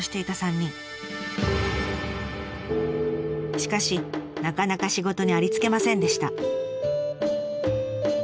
しかしなかなか仕事にありつけませんでした。